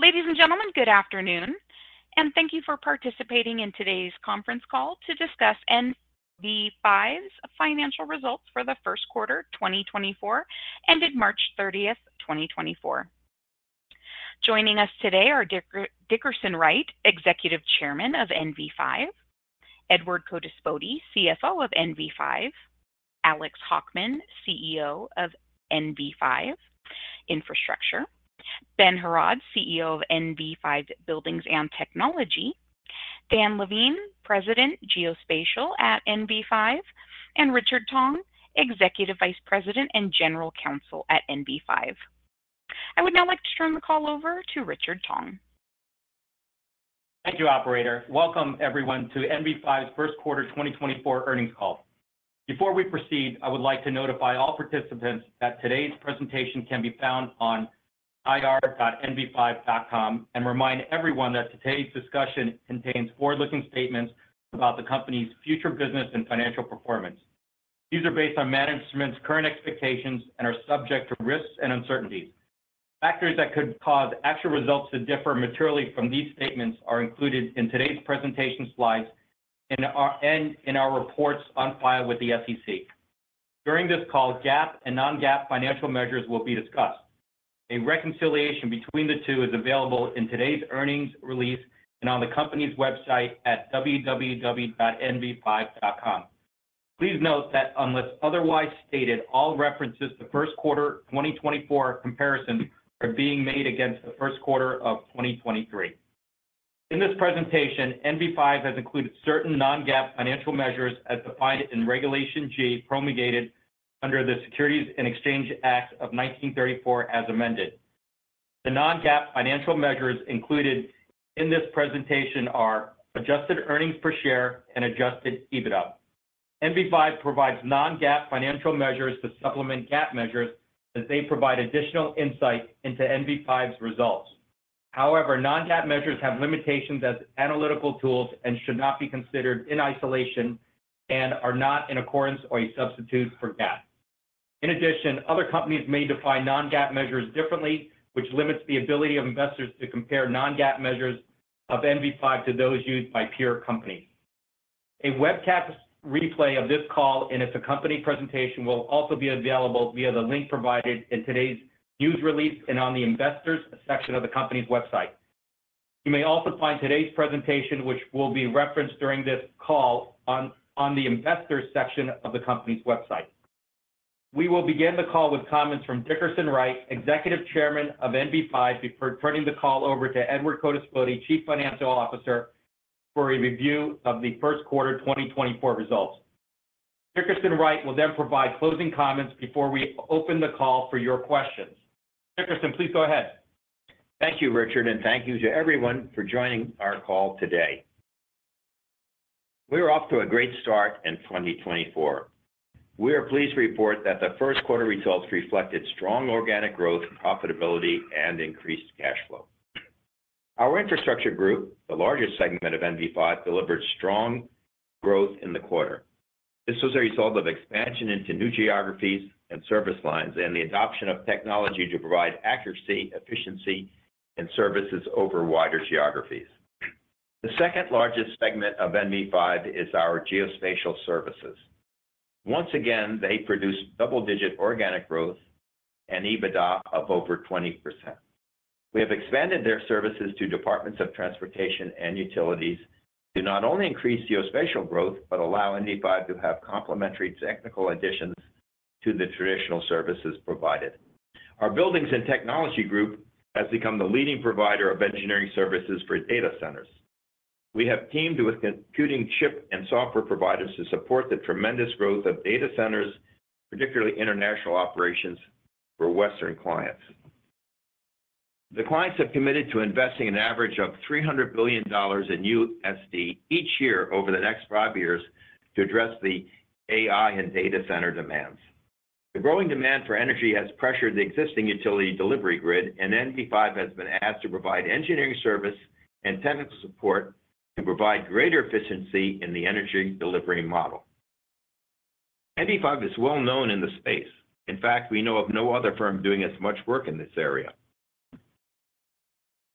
Ladies and gentlemen, good afternoon, and thank you for participating in today's conference call to discuss NV5's financial results for the first quarter 2024, ended March 30, 2024. Joining us today are Dickerson Wright, Executive Chairman of NV5, Edward Codispoti, CFO of NV5, Alex Hockman, CEO of NV5 Infrastructure, Ben Heraud, CEO of NV5 Buildings and Technology, Dan Levine, President Geospatial at NV5, and Richard Tong, Executive Vice President and General Counsel at NV5. I would now like to turn the call over to Richard Tong. Thank you, Operator. Welcome, everyone, to NV5's first quarter 2024 earnings call. Before we proceed, I would like to notify all participants that today's presentation can be found on ir.nv5.com and remind everyone that today's discussion contains forward-looking statements about the company's future business and financial performance. These are based on management's current expectations and are subject to risks and uncertainties. Factors that could cause actual results to differ materially from these statements are included in today's presentation slides and in our reports on file with the SEC. During this call, GAAP and non-GAAP financial measures will be discussed. A reconciliation between the two is available in today's earnings release and on the company's website at www.nv5.com. Please note that unless otherwise stated, all references to first quarter 2024 comparisons are being made against the first quarter of 2023. In this presentation, NV5 has included certain non-GAAP financial measures as defined in Regulation G, promulgated under the Securities and Exchange Act of 1934 as amended. The non-GAAP financial measures included in this presentation are Adjusted Earnings Per Share and Adjusted EBITDA. NV5 provides non-GAAP financial measures to supplement GAAP measures as they provide additional insight into NV5's results. However, non-GAAP measures have limitations as analytical tools and should not be considered in isolation and are not in accordance or a substitute for GAAP. In addition, other companies may define non-GAAP measures differently, which limits the ability of investors to compare non-GAAP measures of NV5 to those used by peer companies. A webcast replay of this call and its accompanying presentation will also be available via the link provided in today's news release and on the investors section of the company's website. You may also find today's presentation, which will be referenced during this call, on the investors section of the company's website. We will begin the call with comments from Dickerson Wright, Executive Chairman of NV5, before turning the call over to Edward Codispoti, Chief Financial Officer, for a review of the first quarter 2024 results. Dickerson Wright will then provide closing comments before we open the call for your questions. Dickerson, please go ahead. Thank you, Richard, and thank you to everyone for joining our call today. We are off to a great start in 2024. We are pleased to report that the first quarter results reflected strong organic growth, profitability, and increased cash flow. Our infrastructure group, the largest segment of NV5, delivered strong growth in the quarter. This was a result of expansion into new geographies and service lines and the adoption of technology to provide accuracy, efficiency, and services over wider geographies. The second largest segment of NV5 is our geospatial services. Once again, they produced double-digit organic growth and EBITDA of over 20%. We have expanded their services to departments of transportation and utilities to not only increase geospatial growth but allow NV5 to have complementary technical additions to the traditional services provided. Our buildings and technology group has become the leading provider of engineering services for data centers. We have teamed with computing chip and software providers to support the tremendous growth of data centers, particularly international operations, for Western clients. The clients have committed to investing an average of $300 billion each year over the next five years to address the AI and data center demands. The growing demand for energy has pressured the existing utility delivery grid, and NV5 has been asked to provide engineering service and technical support to provide greater efficiency in the energy delivery model. NV5 is well known in the space. In fact, we know of no other firm doing as much work in this area.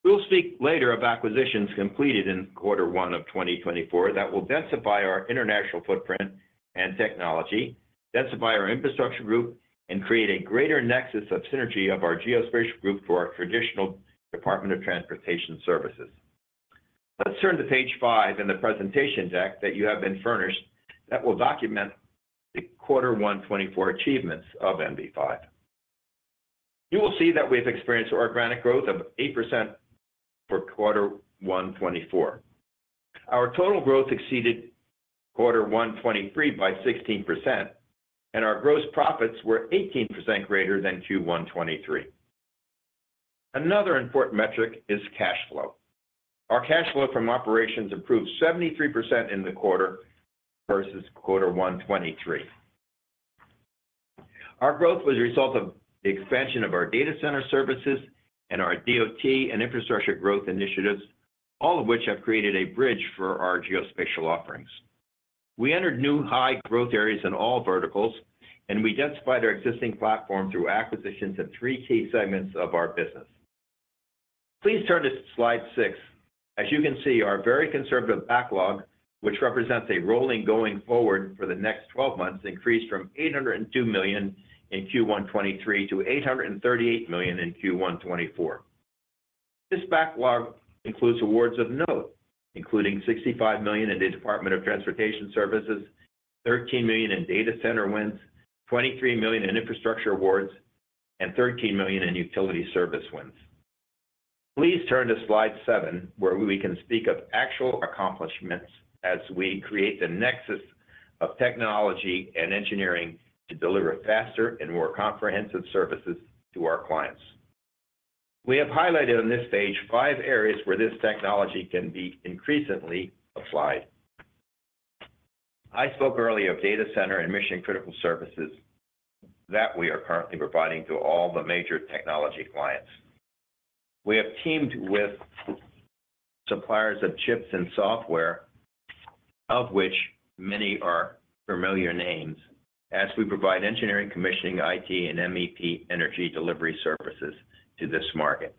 We'll speak later about acquisitions completed in quarter one of 2024 that will densify our international footprint and technology, densify our infrastructure group, and create a greater nexus of synergy of our geospatial group for our traditional Department of Transportation Services. Let's turn to page five, in the presentation deck that you have been furnished that will document the quarter 1 2024 achievements of NV5. You will see that we have experienced organic growth of 8% for quarter 1 2024. Our total growth exceeded quarter 1 2023 by 16%, and our gross profits were 18% greater than Q1 2023. Another important metric is cash flow. Our cash flow from operations improved 73% in the quarter versus quarter 1 2023. Our growth was a result of the expansion of our data center services and our DOT and infrastructure growth initiatives, all of which have created a bridge for our geospatial offerings. We entered new high-growth areas in all verticals, and we densified our existing platform through acquisitions of three key segments of our business. Please turn to slide six. As you can see, our very conservative backlog, which represents a rolling going forward for the next 12 months, increased from $802 million in Q1 2023 to $838 million in Q1 2024. This backlog includes awards of note, including $65 million in the Department of Transportation Services, $13 million in data center wins, $23 million in infrastructure awards, and $13 million in utility service wins. Please turn to slide seven, where we can speak of actual accomplishments as we create the Nexus of Technology and Engineering to deliver faster and more comprehensive services to our clients. We have highlighted on this page five areas where this technology can be increasingly applied. I spoke earlier of data center and mission-critical services that we are currently providing to all the major technology clients. We have teamed with suppliers of chips and software, of which many are familiar names, as we provide engineering, commissioning, IT, and MEP energy delivery services to this market.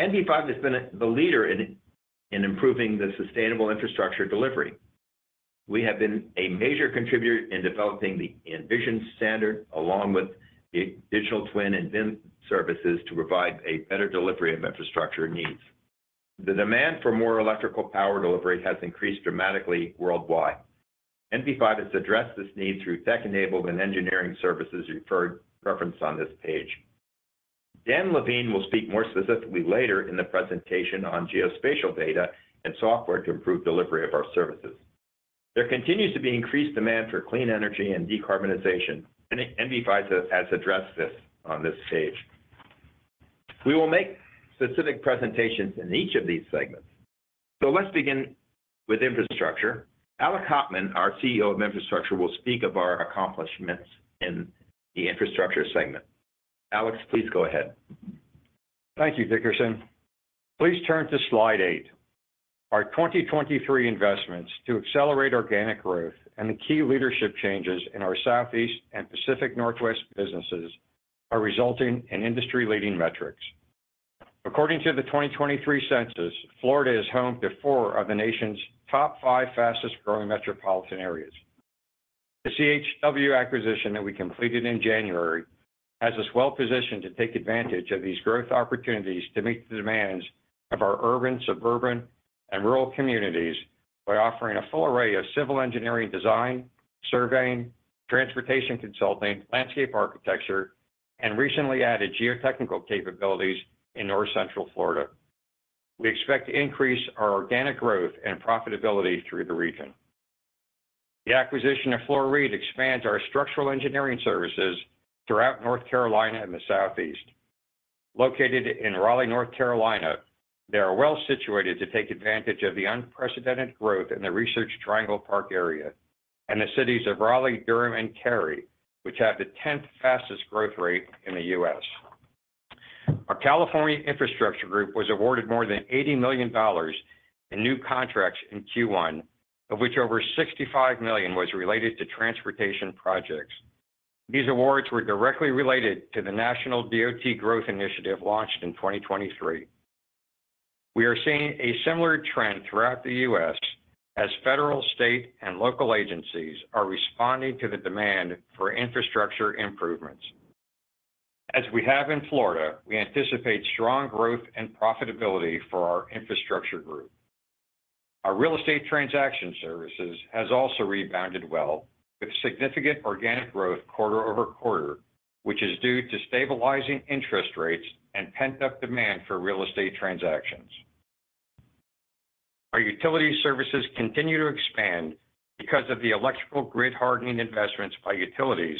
NV5 has been the leader in improving the sustainable infrastructure delivery. We have been a major contributor in developing the Envision standard along with the Digital Twin and BIM services to provide a better delivery of infrastructure needs. The demand for more electrical power delivery has increased dramatically worldwide. NV5 has addressed this need through tech-enabled and engineering services referred to on this page. Dan Levine will speak more specifically later in the presentation on geospatial data and software to improve delivery of our services. There continues to be increased demand for clean energy and decarbonization, and NV5 has addressed this on this page. We will make specific presentations in each of these segments. So let's begin with infrastructure. Alex Hockman, our CEO of Infrastructure, will speak of our accomplishments in the infrastructure segment. Alex, please go ahead. Thank you, Dickerson. Please turn to slide eight. Our 2023 investments to accelerate organic growth and the key leadership changes in our Southeast and Pacific Northwest businesses are resulting in industry-leading metrics. According to the 2023 census, Florida is home to four of the nation's top five fastest-growing metropolitan areas. The CHW acquisition that we completed in January has us well positioned to take advantage of these growth opportunities to meet the demands of our urban, suburban, and rural communities by offering a full array of civil engineering design, surveying, transportation consulting, landscape architecture, and recently added geotechnical capabilities in North Central Florida. We expect to increase our organic growth and profitability through the region. The acquisition of Fluhrer Reed expands our structural engineering services throughout North Carolina and the Southeast. Located in Raleigh, North Carolina, they are well situated to take advantage of the unprecedented growth in the Research Triangle Park area and the cities of Raleigh, Durham, and Cary, which have the 10th fastest growth rate in the U.S.. Our California infrastructure group was awarded more than $80 million in new contracts in Q1, of which over $65 million was related to transportation projects. These awards were directly related to the National DOT Growth Initiative launched in 2023. We are seeing a similar trend throughout the U.S. as federal state, and local agencies are responding to the demand for infrastructure improvements. As we have in Florida, we anticipate strong growth and profitability for our infrastructure group. Our real estate transaction services have also rebounded well with significant organic growth quarter-over-quarter, which is due to stabilizing interest rates and pent-up demand for real estate transactions. Our utility services continue to expand because of the electrical grid hardening investments by utilities,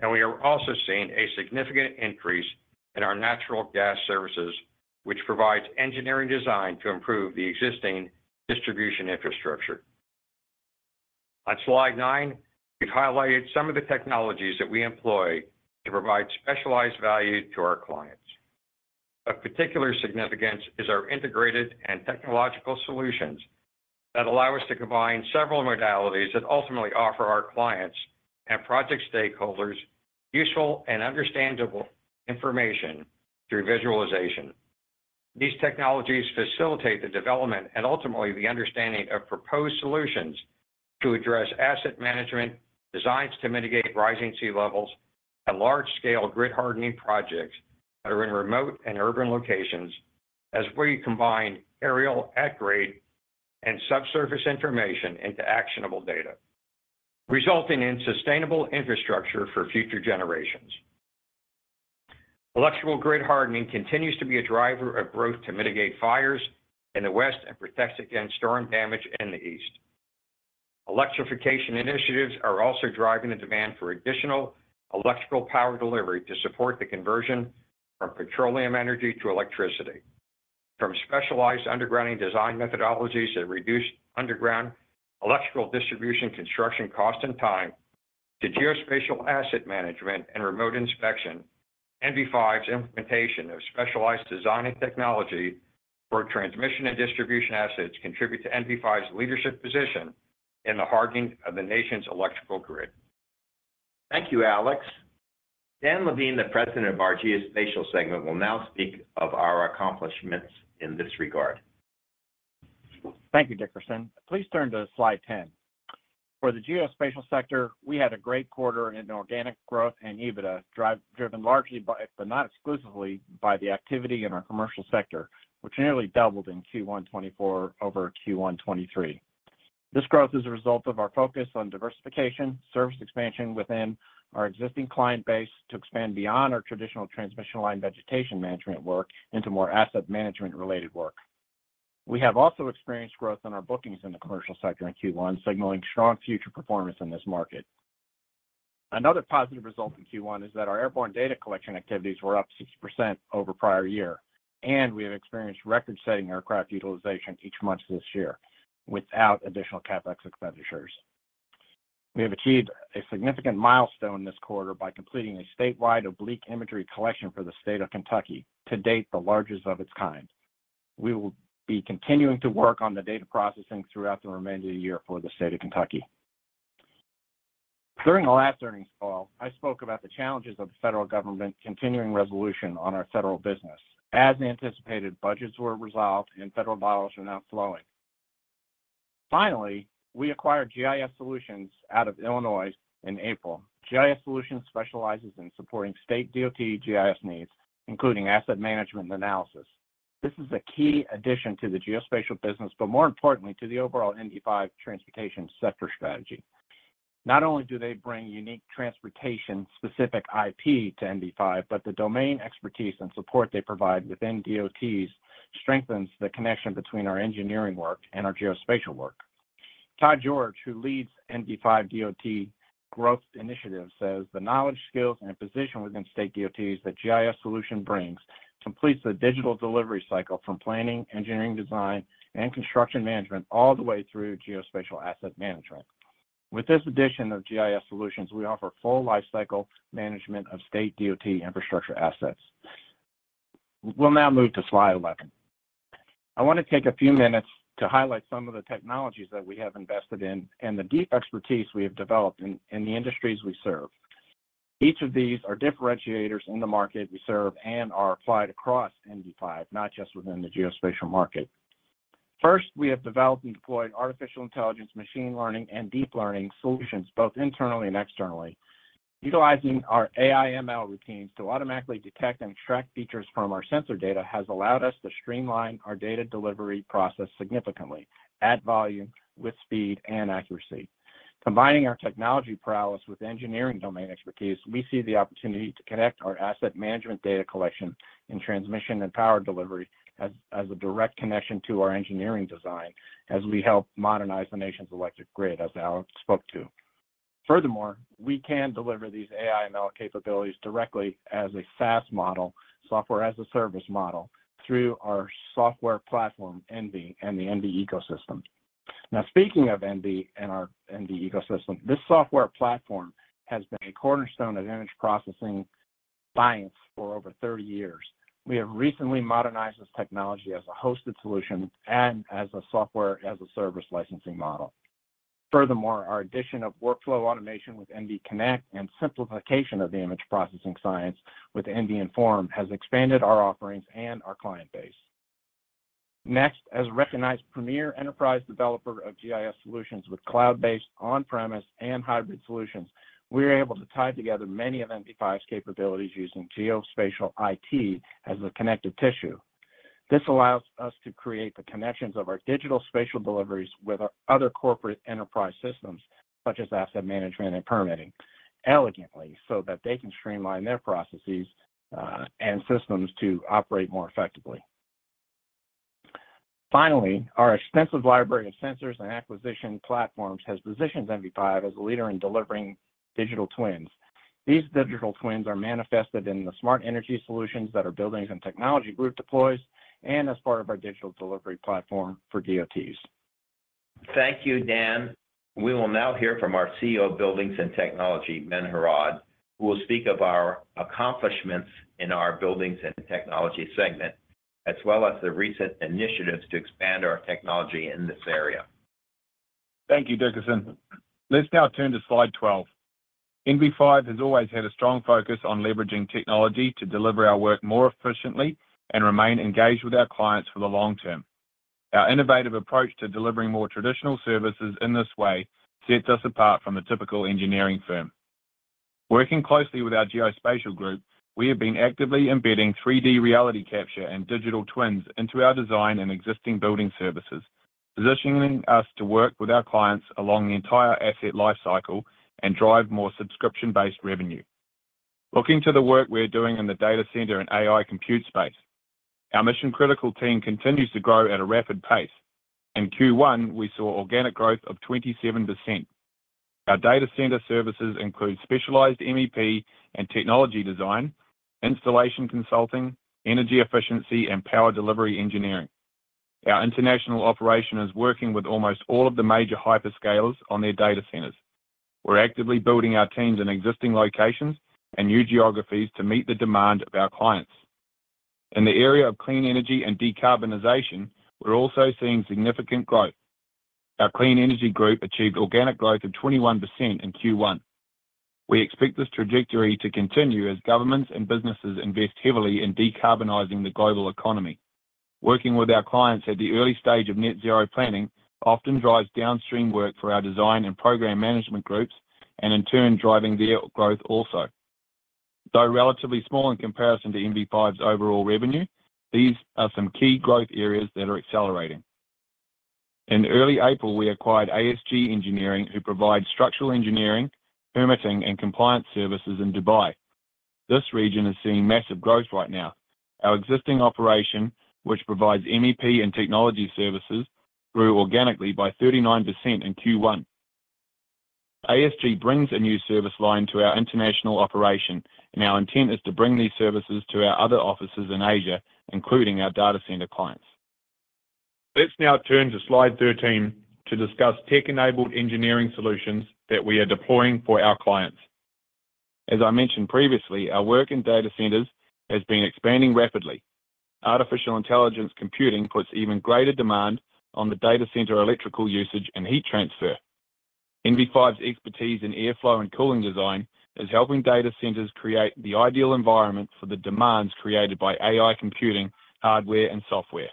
and we are also seeing a significant increase in our natural gas services, which provides engineering design to improve the existing distribution infrastructure. On slide nine, we've highlighted some of the technologies that we employ to provide specialized value to our clients. Of particular significance is our integrated and technological solutions that allow us to combine several modalities that ultimately offer our clients and project stakeholders useful and understandable information through visualization. These technologies facilitate the development and ultimately the understanding of proposed solutions to address asset management, designs to mitigate rising sea levels, and large-scale grid hardening projects that are in remote and urban locations, as we combine aerial at-grade and subsurface information into actionable data, resulting in sustainable infrastructure for future generations. Electrical grid hardening continues to be a driver of growth to mitigate fires in the West and protect against storm damage in the East. Electrification initiatives are also driving the demand for additional electrical power delivery to support the conversion from petroleum energy to electricity. From specialized underground design methodologies that reduce underground electrical distribution construction cost and time to geospatial asset management and remote inspection, NV5's implementation of specialized design and technology for transmission and distribution assets contribute to NV5's leadership position in the hardening of the nation's electrical grid. Thank you, Alex. Dan Levine, President of our Geospatial segment, will now speak of our accomplishments in this regard. Thank you, Dickerson. Please turn to slide 10. For the geospatial sector, we had a great quarter in organic growth and EBITDA driven largely but not exclusively by the activity in our commercial sector, which nearly doubled in Q1 2024 over Q1 2023. This growth is a result of our focus on diversification, service expansion within our existing client base to expand beyond our traditional transmission line vegetation management work into more asset management-related work. We have also experienced growth in our bookings in the commercial sector in Q1, signaling strong future performance in this market. Another positive result in Q1 is that our airborne data collection activities were up 6% over prior year, and we have experienced record-setting aircraft utilization each month this year without additional CapEx expenditures. We have achieved a significant milestone this quarter by completing a statewide oblique imagery collection for the state of Kentucky, to date the largest of its kind. We will be continuing to work on the data processing throughout the remainder of the year for the state of Kentucky. During the last earnings call, I spoke about the challenges of the federal government continuing resolution on our federal business. As anticipated, budgets were resolved, and federal dollars are now flowing. Finally, we acquired GIS Solutions out of Illinois in April. GIS Solutions specializes in supporting state DOT GIS needs, including asset management and analysis. This is a key addition to the geospatial business, but more importantly, to the overall NV5 transportation sector strategy. Not only do they bring unique transportation-specific IP to NV5, but the domain expertise and support they provide within DOTs strengthens the connection between our engineering work and our geospatial work. Todd George, who leads NV5 DOT growth initiatives, says, "The knowledge, skills, and position within state DOTs that GIS Solutions brings completes the digital delivery cycle from planning, engineering design, and construction management all the way through geospatial asset management. With this addition of GIS Solutions, we offer full lifecycle management of state DOT infrastructure assets." We'll now move to slide 11. I want to take a few minutes to highlight some of the technologies that we have invested in and the deep expertise we have developed in the industries we serve. Each of these are differentiators in the market we serve and are applied across NV5, not just within the geospatial market. First, we have developed and deployed artificial intelligence, machine learning, and deep learning solutions both internally and externally. Utilizing our AI/ML routines to automatically detect and extract features from our sensor data has allowed us to streamline our data delivery process significantly at volume, with speed, and accuracy. Combining our technology prowess with engineering domain expertise, we see the opportunity to connect our asset management data collection and transmission and power delivery as a direct connection to our engineering design as we help modernize the nation's electric grid, as Alex spoke to. Furthermore, we can deliver these AI/ML capabilities directly as a SaaS model, software as a service model, through our software platform, ENVI, and the ENVI ecosystem. Now, speaking of ENVI and our ENVI ecosystem, this software platform has been a cornerstone of image processing science for over 30 years. We have recently modernized this technology as a hosted solution and as a software as a service licensing model. Furthermore, our addition of workflow automation with ENVI Connect and simplification of the image processing science with ENVI Inform has expanded our offerings and our client base. Next, as recognized premier enterprise developer of GIS Solutions with cloud-based, on-premise, and hybrid solutions, we are able to tie together many of NV5's capabilities using geospatial IT as the connective tissue. This allows us to create the connections of our digital spatial deliveries with other corporate enterprise systems, such as asset management and permitting, elegantly so that they can streamline their processes and systems to operate more effectively. Finally, our extensive library of sensors and acquisition platforms has positioned NV5 as a leader in delivering digital twins. These digital twins are manifested in the smart energy solutions that our buildings and technology group deploys and as part of our digital delivery platform for DOTs. Thank you, Dan. We will now hear from our CEO of Buildings and Technology, Ben Heraud, who will speak of our accomplishments in our Buildings and Technology segment as well as the recent initiatives to expand our technology in this area. Thank you, Dickerson. Let's now turn to slide 12. NV5 has always had a strong focus on leveraging technology to deliver our work more efficiently and remain engaged with our clients for the long term. Our innovative approach to delivering more traditional services in this way sets us apart from a typical engineering firm. Working closely with our geospatial group, we have been actively embedding 3D reality capture and digital twins into our design and existing building services, positioning us to work with our clients along the entire asset lifecycle and drive more subscription-based revenue. Looking to the work we're doing in the data center and AI compute space, our mission-critical team continues to grow at a rapid pace. In Q1, we saw organic growth of 27%. Our data center services include specialized MEP and technology design, installation consulting, energy efficiency, and power delivery engineering. Our international operation is working with almost all of the major hyperscalers on their data centers. We're actively building our teams in existing locations and new geographies to meet the demand of our clients. In the area of clean energy and decarbonization, we're also seeing significant growth. Our clean energy group achieved organic growth of 21% in Q1. We expect this trajectory to continue as governments and businesses invest heavily in decarbonizing the global economy. Working with our clients at the early stage of net-zero planning often drives downstream work for our design and program management groups, and in turn, driving their growth also. Though relatively small in comparison to NV5's overall revenue, these are some key growth areas that are accelerating. In early April, we acquired ASG Engineering, who provides structural engineering, permitting, and compliance services in Dubai. This region is seeing massive growth right now. Our existing operation, which provides MEP and technology services, grew organically by 39% in Q1. ASG brings a new service line to our international operation, and our intent is to bring these services to our other offices in Asia, including our data center clients. Let's now turn to slide 13 to discuss tech-enabled engineering solutions that we are deploying for our clients. As I mentioned previously, our work in data centers has been expanding rapidly. Artificial intelligence computing puts even greater demand on the data center electrical usage and heat transfer. NV5's expertise in airflow and cooling design is helping data centers create the ideal environment for the demands created by AI computing, hardware, and software.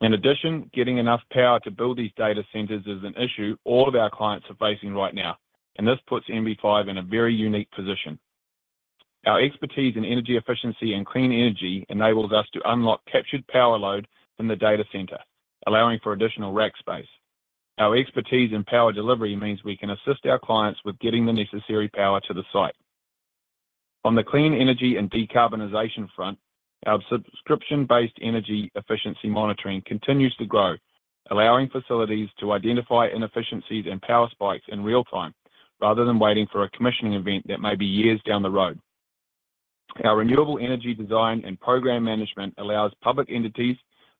In addition, getting enough power to build these data centers is an issue all of our clients are facing right now, and this puts NV5 in a very unique position. Our expertise in energy efficiency and clean energy enables us to unlock captured power load in the data center, allowing for additional rack space. Our expertise in power delivery means we can assist our clients with getting the necessary power to the site. On the clean energy and decarbonization front, our subscription-based energy efficiency monitoring continues to grow, allowing facilities to identify inefficiencies and power spikes in real time rather than waiting for a commissioning event that may be years down the road. Our renewable energy design and program management allows public entities,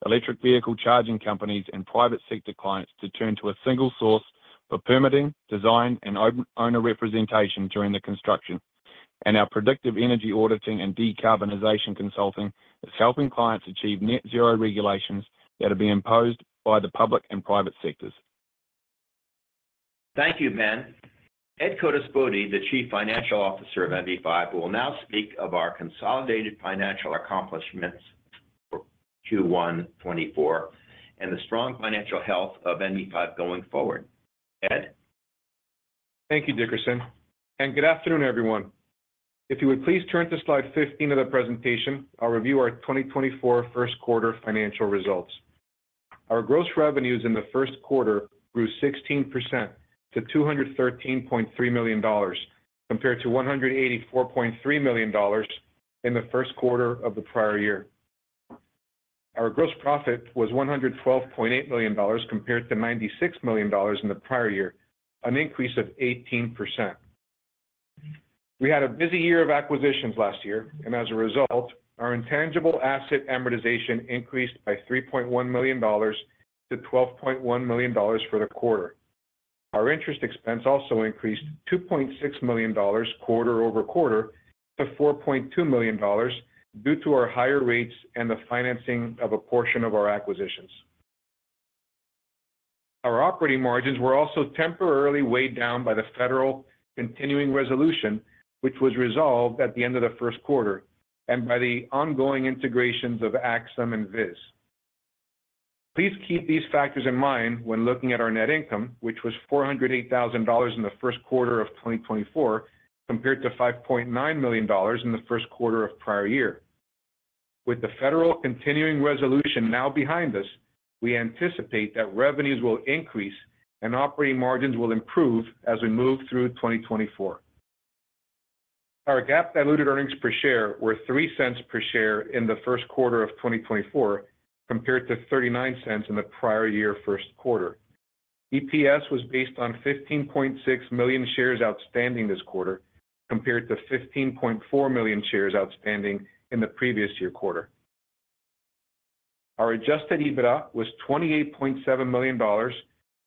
electric vehicle charging companies, and private sector clients to turn to a single source for permitting, design, and owner representation during the construction. Our predictive energy auditing and decarbonization consulting is helping clients achieve net-zero regulations that are being imposed by the public and private sectors. Thank you, Ben. Ed Codispoti, the Chief Financial Officer of NV5, will now speak of our consolidated financial accomplishments for Q1 2024 and the strong financial health of NV5 going forward. Ed? Thank you, Dickerson. Good afternoon, everyone. If you would please turn to slide 15 of the presentation, I'll review our 2024 first quarter financial results. Our gross revenues in the first quarter grew 16% to $213.3 million compared to $184.3 million in the first quarter of the prior year. Our gross profit was $112.8 million compared to $96 million in the prior year, an increase of 18%. We had a busy year of acquisitions last year, and as a result, our intangible asset amortization increased by $3.1 million to $12.1 million for the quarter. Our interest expense also increased $2.6 million quarter-over-quarter to $4.2 million due to our higher rates and the financing of a portion of our acquisitions. Our operating margins were also temporarily weighed down by the federal continuing resolution, which was resolved at the end of the first quarter, and by the ongoing integrations of Axim and VIS. Please keep these factors in mind when looking at our net income, which was $408,000 in the first quarter of 2024 compared to $5.9 million in the first quarter of prior year. With the federal continuing resolution now behind us, we anticipate that revenues will increase and operating margins will improve as we move through 2024. Our GAAP diluted earnings per share were $0.03 per share in the first quarter of 2024 compared to $0.39 in the prior year first quarter. EPS was based on 15.6 million shares outstanding this quarter compared to 15.4 million shares outstanding in the previous year quarter. Our Adjusted EBITDA was $28.7 million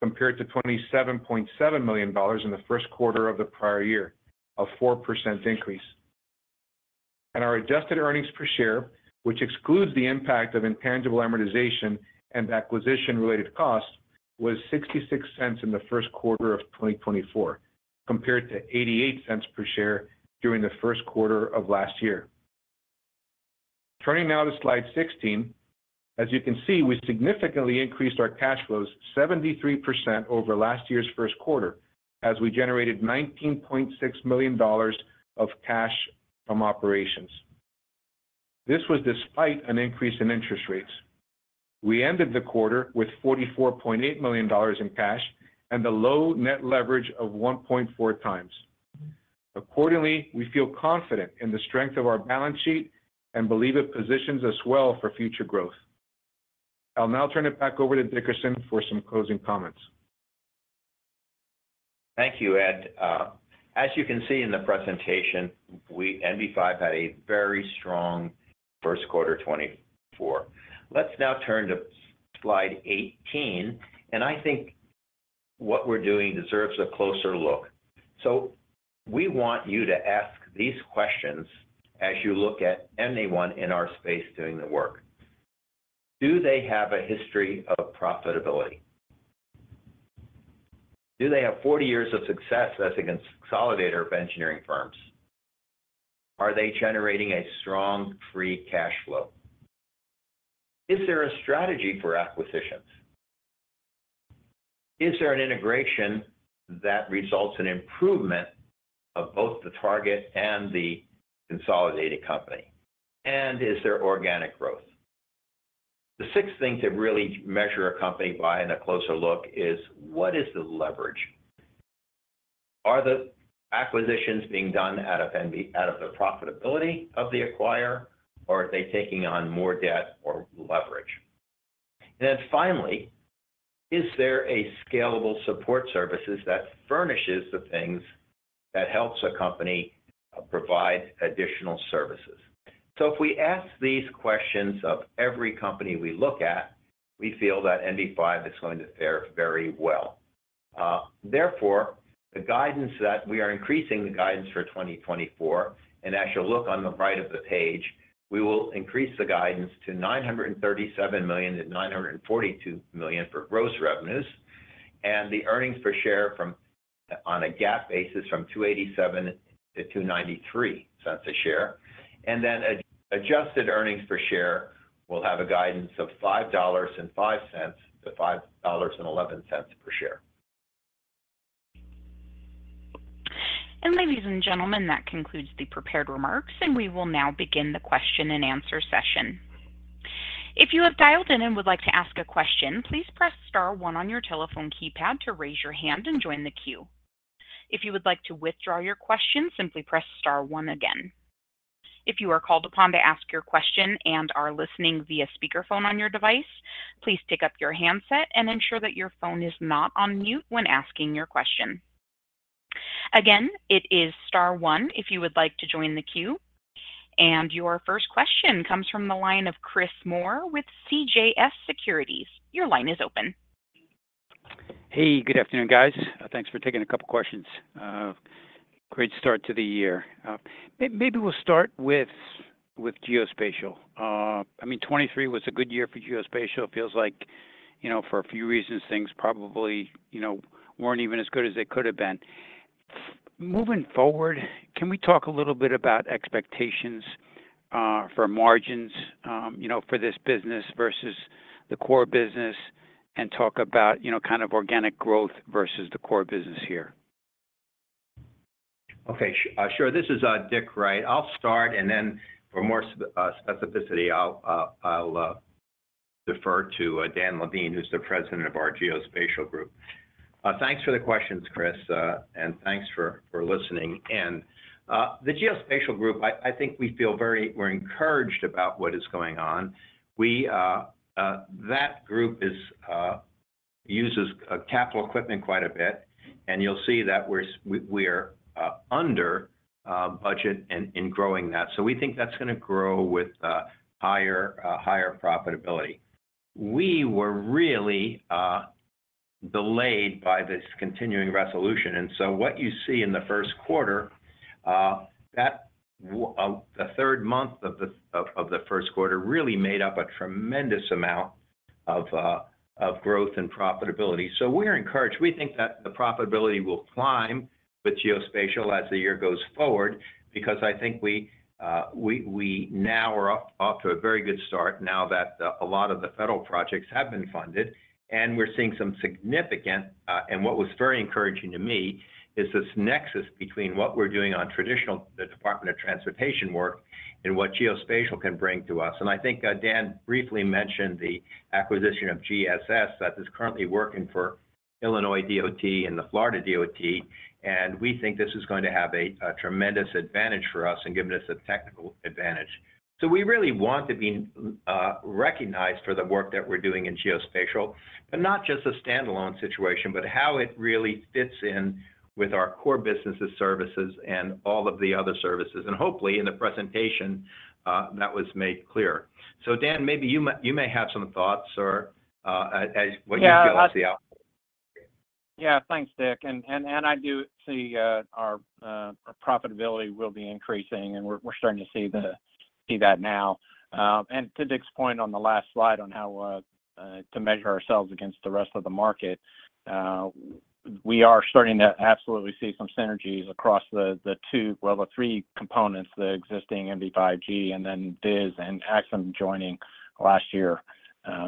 compared to $27.7 million in the first quarter of the prior year, a 4% increase. Our adjusted earnings per share, which excludes the impact of intangible amortization and acquisition-related costs, was $0.66 in the first quarter of 2024 compared to $0.88 per share during the first quarter of last year. Turning now to slide 16, as you can see, we significantly increased our cash flows 73% over last year's first quarter as we generated $19.6 million of cash from operations. This was despite an increase in interest rates. We ended the quarter with $44.8 million in cash and the low net leverage of 1.4x. Accordingly, we feel confident in the strength of our balance sheet and believe it positions us well for future growth. I'll now turn it back over to Dickerson for some closing comments. Thank you, Ed. As you can see in the presentation, NV5 had a very strong first quarter 2024. Let's now turn to slide 18, and I think what we're doing deserves a closer look. So we want you to ask these questions as you look at anyone in our space doing the work. Do they have a history of profitability? Do they have 40 years of success as a consolidator of engineering firms? Are they generating a strong free cash flow? Is there a strategy for acquisitions? Is there an integration that results in improvement of both the target and the consolidated company? And is there organic growth? The sixth thing to really measure a company by in a closer look is what is the leverage? Are the acquisitions being done out of the profitability of the acquirer, or are they taking on more debt or leverage? Then finally, is there a scalable support services that furnishes the things that helps a company provide additional services? So if we ask these questions of every company we look at, we feel that NV5 is going to fare very well. Therefore, the guidance that we are increasing the guidance for 2024, and as you'll look on the right of the page, we will increase the guidance to $937 million-$942 million for gross revenues, and the earnings per share on a GAAP basis from $2.87-$2.93 a share. And then adjusted earnings per share will have a guidance of $5.05-$5.11 per share. Ladies and gentlemen, that concludes the prepared remarks, and we will now begin the question and answer session. If you have dialed in and would like to ask a question, please press star one on your telephone keypad to raise your hand and join the queue. If you would like to withdraw your question, simply press star one again. If you are called upon to ask your question and are listening via speakerphone on your device, please pick up your handset and ensure that your phone is not on mute when asking your question. Again, it is star one if you would like to join the queue. Your first question comes from the line of Chris Moore with CJS Securities. Your line is open. Hey, good afternoon, guys. Thanks for taking a couple of questions. Great start to the year. Maybe we'll start with geospatial. I mean, 2023 was a good year for geospatial. It feels like for a few reasons, things probably weren't even as good as they could have been. Moving forward, can we talk a little bit about expectations for margins for this business versus the core business and talk about kind of organic growth versus the core business here? Okay. Sure. This is Dickerson Wright. I'll start, and then for more specificity, I'll defer to Dan Levine, who's the president of our geospatial group. Thanks for the questions, Chris, and thanks for listening. The geospatial group, I think we feel very encouraged about what is going on. That group uses capital equipment quite a bit, and you'll see that we're under budget in growing that. So we think that's going to grow with higher profitability. We were really delayed by this continuing resolution. So what you see in the first quarter, the third month of the first quarter really made up a tremendous amount of growth and profitability. So we're encouraged. We think that the profitability will climb with geospatial as the year goes forward because I think we now are off to a very good start now that a lot of the federal projects have been funded, and we're seeing some significant and what was very encouraging to me is this nexus between what we're doing on traditional the Department of Transportation work and what geospatial can bring to us. I think Dan briefly mentioned the acquisition of GIS that is currently working for Illinois DOT and the Florida DOT. We think this is going to have a tremendous advantage for us and give us a technical advantage. We really want to be recognized for the work that we're doing in geospatial, but not just a standalone situation, but how it really fits in with our core businesses, services, and all of the other services. Hopefully, in the presentation, that was made clear. Dan, maybe you may have some thoughts or what you feel is the outcome. Yeah. Thanks, Dick. I do see our profitability will be increasing, and we're starting to see that now. To Dick's point on the last slide on how to measure ourselves against the rest of the market, we are starting to absolutely see some synergies across the two well, the three components, the existing NV5G and then VIS and Axim joining last year.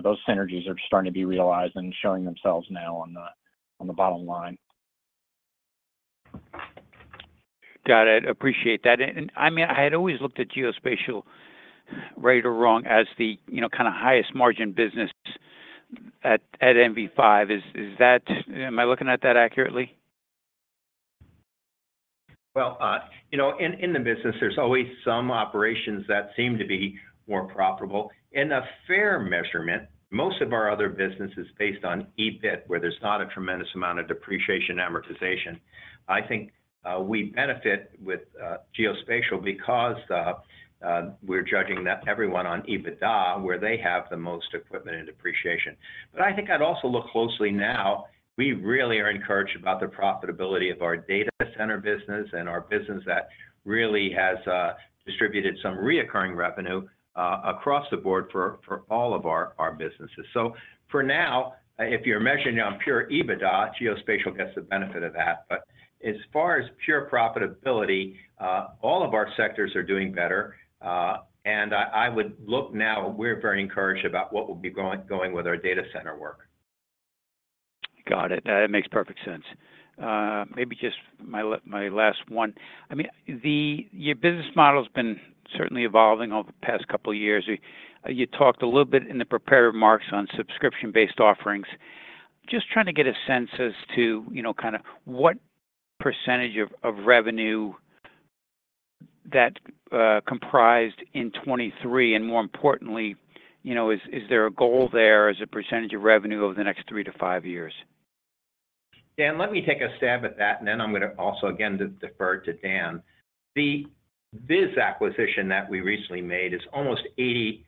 Those synergies are starting to be realized and showing themselves now on the bottom line. Got it. Appreciate that. I mean, I had always looked at geospatial, right or wrong, as the kind of highest margin business at NV5. Am I looking at that accurately? Well, in the business, there's always some operations that seem to be more profitable. In a fair measurement, most of our other business is based on EBIT, where there's not a tremendous amount of depreciation amortization. I think we benefit with geospatial because we're judging everyone on EBITDA, where they have the most equipment and depreciation. But I think I'd also look closely now. We really are encouraged about the profitability of our data center business and our business that really has distributed some recurring revenue across the board for all of our businesses. So for now, if you're measuring on pure EBITDA, geospatial gets the benefit of that. But as far as pure profitability, all of our sectors are doing better. And I would look now. We're very encouraged about what will be going with our data center work. Got it. That makes perfect sense. Maybe just my last one. I mean, your business model has been certainly evolving over the past couple of years. You talked a little bit in the prepared remarks on subscription-based offerings. Just trying to get a sense as to kind of what percentage of revenue that comprised in 2023 and more importantly, is there a goal there as a percentage of revenue over the next three to five years? Dan, let me take a stab at that, and then I'm going to also, again, defer to Dan. The VIS acquisition that we recently made is almost 80%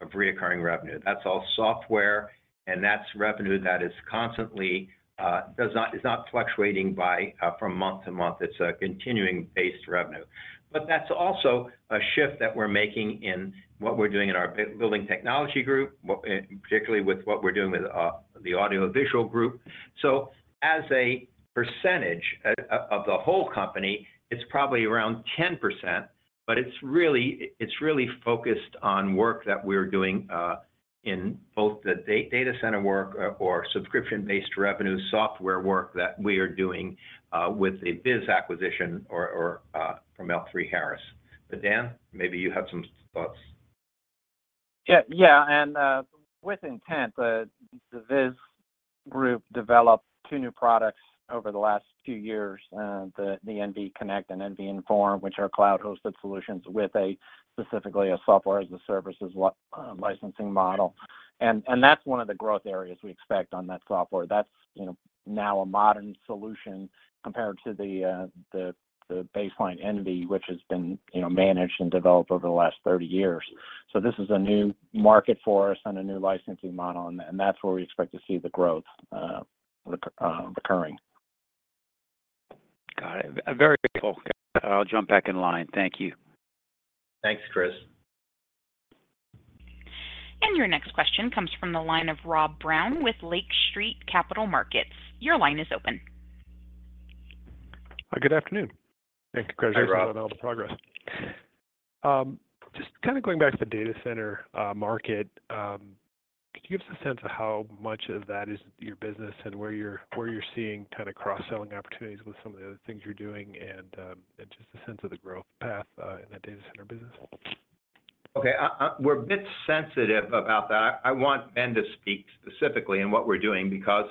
of recurring revenue. That's all software, and that's revenue that is constantly is not fluctuating from month to month. It's a continuing-based revenue. But that's also a shift that we're making in what we're doing in our building technology group, particularly with what we're doing with the audiovisual group. So as a percentage of the whole company, it's probably around 10%, but it's really focused on work that we're doing in both the data center work or subscription-based revenue software work that we are doing with the VIS acquisition from L3Harris. But Dan, maybe you have some thoughts. Yeah. And with intent, the VIS group developed two new products over the last few years, the ENVI Connect and ENVI Inform, which are cloud-hosted solutions with specifically a software-as-a-service licensing model. And that's one of the growth areas we expect on that software. That's now a modern solution compared to the baseline ENVI, which has been managed and developed over the last 30 years. So this is a new market for us and a new licensing model, and that's where we expect to see the growth recurring. Got it. Very helpful. I'll jump back in line. Thank you. Thanks, Chris. Your next question comes from the line of Rob Brown with Lake Street Capital Markets. Your line is open. Good afternoon. Thank you for congratulating on all the progress. Just kind of going back to the data center market, could you give us a sense of how much of that is your business and where you're seeing kind of cross-selling opportunities with some of the other things you're doing and just a sense of the growth path in that data center business? Okay. We're a bit sensitive about that. I want Ben to speak specifically in what we're doing because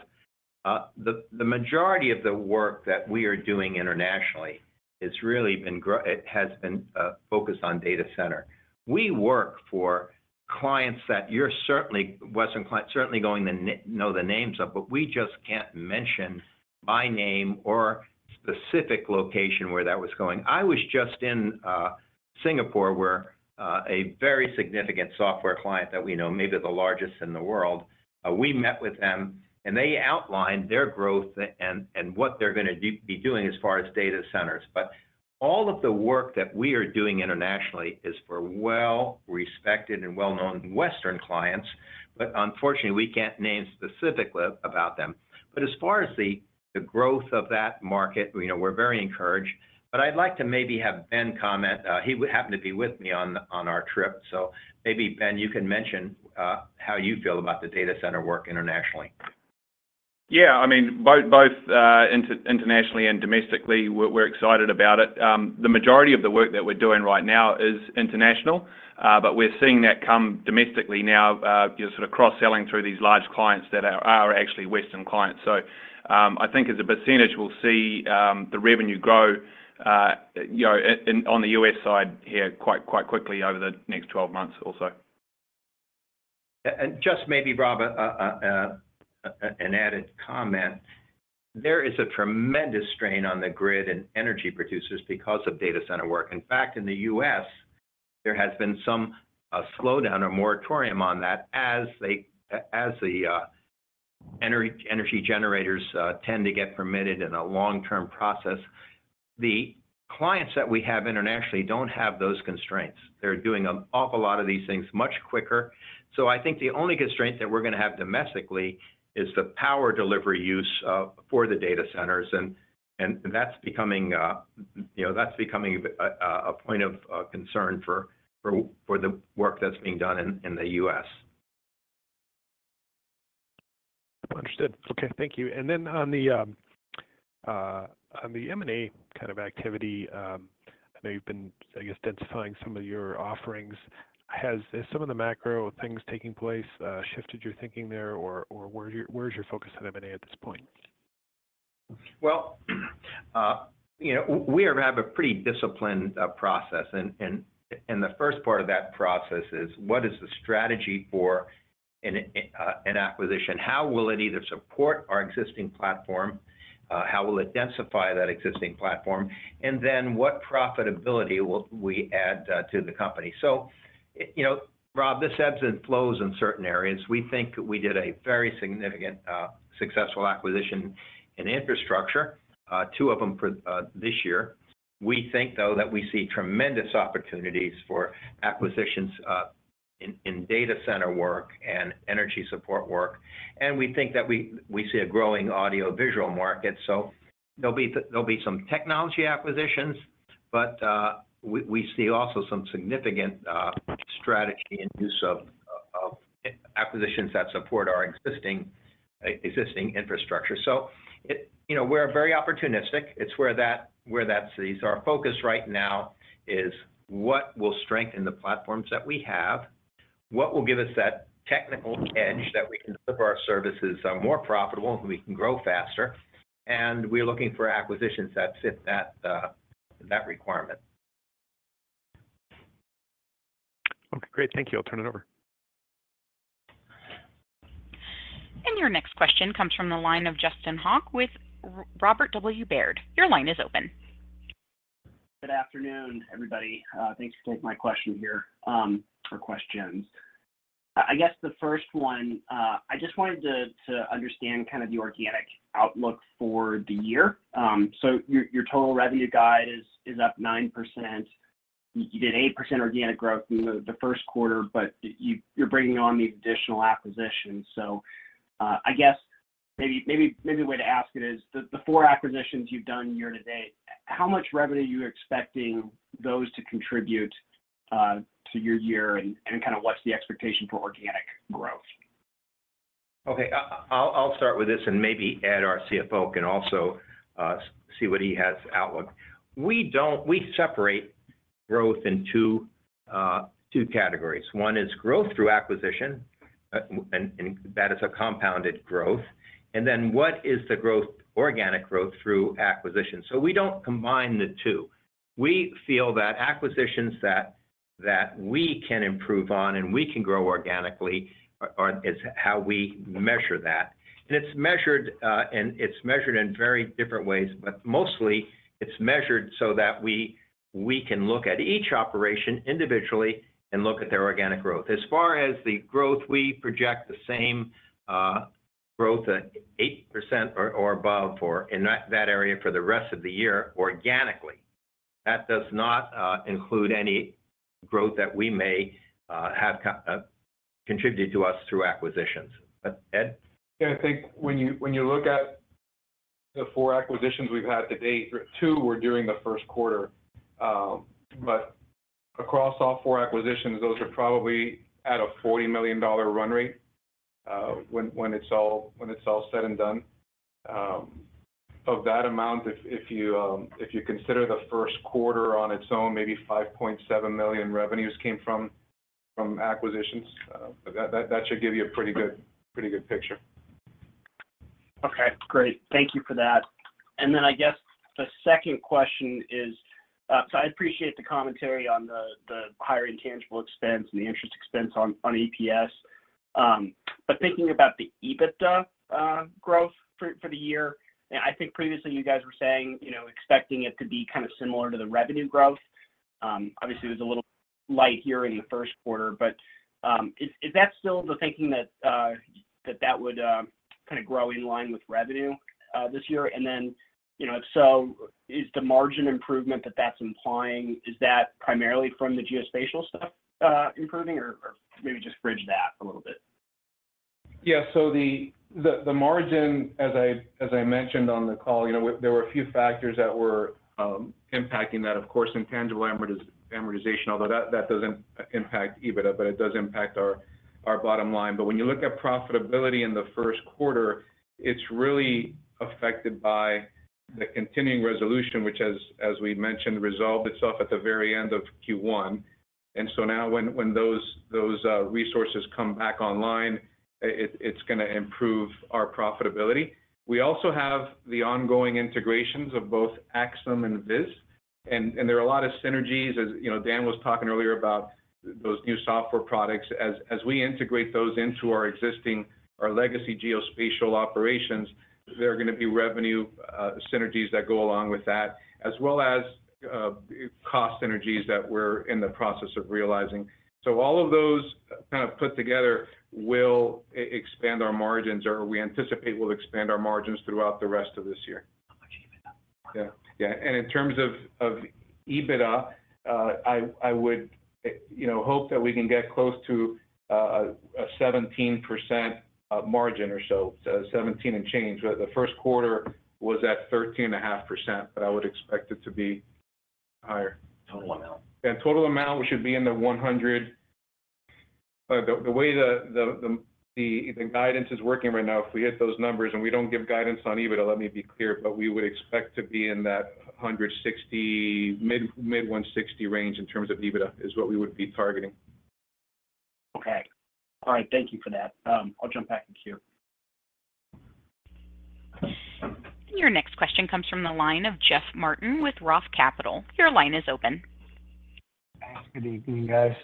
the majority of the work that we are doing internationally, it has been focused on data center. We work for clients that you're certainly Western clients certainly know the names of, but we just can't mention my name or specific location where that was going. I was just in Singapore where a very significant software client that we know, maybe the largest in the world, we met with them, and they outlined their growth and what they're going to be doing as far as data centers. But all of the work that we are doing internationally is for well-respected and well-known Western clients, but unfortunately, we can't name specifically about them. But as far as the growth of that market, we're very encouraged. But I'd like to maybe have Ben comment. He happened to be with me on our trip. Maybe, Ben, you can mention how you feel about the data center work internationally. Yeah. I mean, both internationally and domestically, we're excited about it. The majority of the work that we're doing right now is international, but we're seeing that come domestically now, sort of cross-selling through these large clients that are actually Western clients. So I think as a percentage, we'll see the revenue grow on the U.S. side here quite quickly over the next 12 months also. Just maybe, Rob, an added comment. There is a tremendous strain on the grid and energy producers because of data center work. In fact, in the U.S., there has been some slowdown or moratorium on that as the energy generators tend to get permitted in a long-term process. The clients that we have internationally don't have those constraints. They're doing an awful lot of these things much quicker. So I think the only constraint that we're going to have domestically is the power delivery use for the data centers, and that's becoming a point of concern for the work that's being done in the U.S.. Understood. Okay. Thank you. And then on the M&A kind of activity, I know you've been, I guess, densifying some of your offerings. Is some of the macro things taking place shifted your thinking there, or where's your focus on M&A at this point? Well, we have a pretty disciplined process. The first part of that process is what is the strategy for an acquisition? How will it either support our existing platform? How will it densify that existing platform? And then what profitability will we add to the company? So Rob, this ebbs and flows in certain areas. We think we did a very significant, successful acquisition in infrastructure, two of them this year. We think, though, that we see tremendous opportunities for acquisitions in data center work and energy support work. We think that we see a growing audiovisual market. So there'll be some technology acquisitions, but we see also some significant strategy and use of acquisitions that support our existing infrastructure. So we're very opportunistic. It's where our focus right now is what will strengthen the platforms that we have, what will give us that technical edge that we can deliver our services more profitable and we can grow faster. We're looking for acquisitions that fit that requirement. Okay. Great. Thank you. I'll turn it over. Your next question comes from the line of Justin Hauke with Robert W. Baird. Your line is open. Good afternoon, everybody. Thanks for taking my question here or questions. I guess the first one, I just wanted to understand kind of the organic outlook for the year. So your total revenue guide is up 9%. You did 8% organic growth in the first quarter, but you're bringing on these additional acquisitions. So I guess maybe a way to ask it is, the four acquisitions you've done year to date, how much revenue are you expecting those to contribute to your year, and kind of what's the expectation for organic growth? Okay. I'll start with this and maybe add our CFO can also see what he has outlooked. We separate growth in two categories. One is growth through acquisition, and that is a compounded growth. And then what is the organic growth through acquisition? So we don't combine the two. We feel that acquisitions that we can improve on and we can grow organically is how we measure that. And it's measured in very different ways, but mostly, it's measured so that we can look at each operation individually and look at their organic growth. As far as the growth, we project the same growth, 8% or above, in that area for the rest of the year organically. That does not include any growth that we may have contributed to us through acquisitions. Ed? Yeah. I think when you look at the four acquisitions we've had to date, 2twowere during the first quarter. But across all four acquisitions, those are probably at a $40 million run rate when it's all said and done. Of that amount, if you consider the first quarter on its own, maybe $5.7 million revenues came from acquisitions. That should give you a pretty good picture. Okay. Great. Thank you for that. And then I guess the second question is so I appreciate the commentary on the higher intangible expense and the interest expense on EPS. But thinking about the EBITDA growth for the year, I think previously you guys were saying expecting it to be kind of similar to the revenue growth. Obviously, it was a little light here in the first quarter. But is that still the thinking that that would kind of grow in line with revenue this year? And then if so, is the margin improvement that that's implying, is that primarily from the geospatial stuff improving, or maybe just bridge that a little bit? Yeah. So the margin, as I mentioned on the call, there were a few factors that were impacting that, of course, intangible amortization, although that doesn't impact EBITDA, but it does impact our bottom line. But when you look at profitability in the first quarter, it's really affected by the continuing resolution, which, as we mentioned, resolved itself at the very end of Q1. And so now when those resources come back online, it's going to improve our profitability. We also have the ongoing integrations of both Axim and VIS. And there are a lot of synergies. As Dan was talking earlier about those new software products, as we integrate those into our legacy geospatial operations, there are going to be revenue synergies that go along with that, as well as cost synergies that we're in the process of realizing. So all of those kind of put together will expand our margins, or we anticipate will expand our margins throughout the rest of this year. Yeah. And in terms of EBITDA, I would hope that we can get close to a 17% margin or so, 17 and change. The first quarter was at 13.5%, but I would expect it to be higher. Total amount. Total amount, we should be in the $100 the way the guidance is working right now, if we hit those numbers and we don't give guidance on EBITDA, let me be clear, but we would expect to be in that mid-$160 range in terms of EBITDA is what we would be targeting. Okay. All right. Thank you for that. I'll jump back to Keith. Your next question comes from the line of Jeff Martin with Roth Capital. Your line is open. Thanks. Good evening, guys.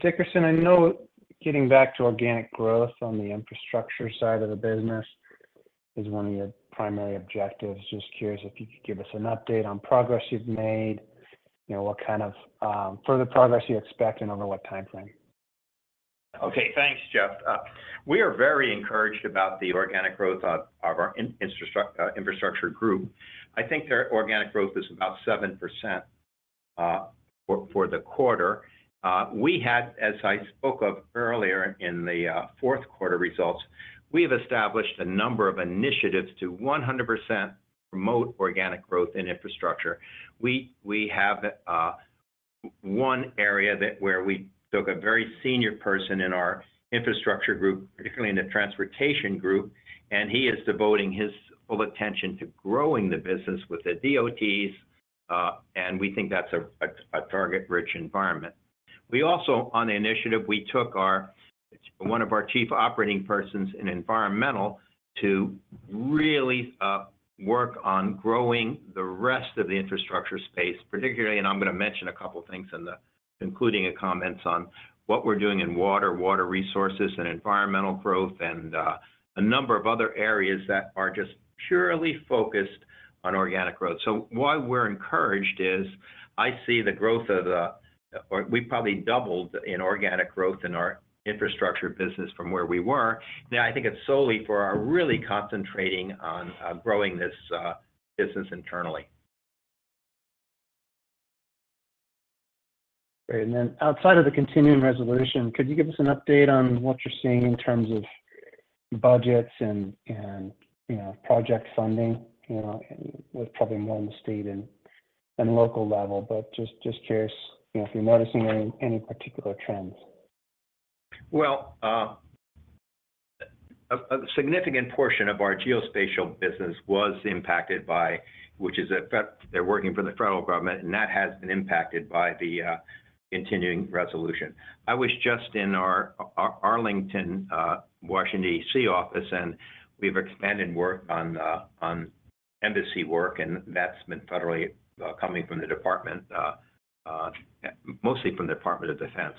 Dickerson, I know getting back to organic growth on the infrastructure side of the business is one of your primary objectives. Just curious if you could give us an update on progress you've made, what kind of further progress you expect, and over what timeframe. Okay. Thanks, Jeff. We are very encouraged about the organic growth of our infrastructure group. I think their organic growth is about 7% for the quarter. As I spoke of earlier in the fourth quarter results, we have established a number of initiatives to 100% promote organic growth in infrastructure. We have one area where we took a very senior person in our infrastructure group, particularly in the transportation group, and he is devoting his full attention to growing the business with the DOTs, and we think that's a target-rich environment. On the initiative, we took one of our chief operating persons in environmental to really work on growing the rest of the infrastructure space, particularly, and I'm going to mention a couple of things in the concluding comments on what we're doing in water, water resources, and environmental growth, and a number of other areas that are just purely focused on organic growth. So why we're encouraged is I see the growth of the we probably doubled in organic growth in our infrastructure business from where we were. Now, I think it's solely for our really concentrating on growing this business internally. Great. And then outside of the continuing resolution, could you give us an update on what you're seeing in terms of budgets and project funding? It was probably more on the state and local level, but just curious if you're noticing any particular trends? Well, a significant portion of our geospatial business was impacted by which is they're working for the federal government, and that has been impacted by the continuing resolution. I was just in our Arlington, Washington, D.C. office, and we've expanded work on embassy work, and that's been federally coming from the department, mostly from the Department of Defense.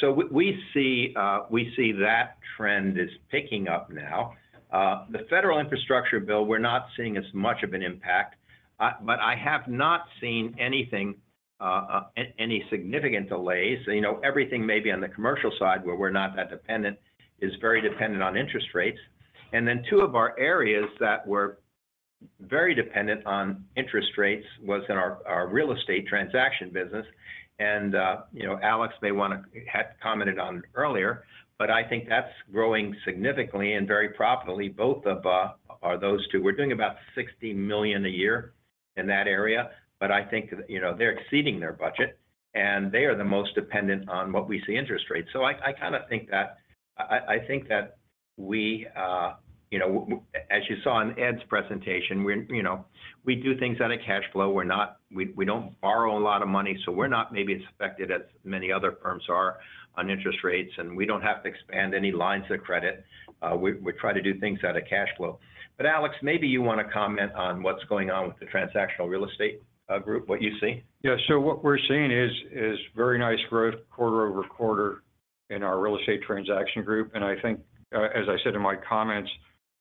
So we see that trend is picking up now. The federal infrastructure bill, we're not seeing as much of an impact, but I have not seen any significant delays. Everything maybe on the commercial side where we're not that dependent is very dependent on interest rates. And then two of our areas that were very dependent on interest rates was in our real estate transaction business. And Alex may want to have commented on it earlier, but I think that's growing significantly and very profitably. Both of our those two, we're doing about $60 million a year in that area, but I think they're exceeding their budget, and they are the most dependent on what we see, interest rates. So I kind of think that I think that we as you saw in Ed's presentation, we do things out of cash flow. We don't borrow a lot of money, so we're not maybe as affected as many other firms are on interest rates, and we don't have to expand any lines of credit. We try to do things out of cash flow. But Alex, maybe you want to comment on what's going on with the transactional real estate group, what you see. Yeah. What we're seeing is very nice growth quarter-over-quarter in our real estate transaction group. I think, as I said in my comments,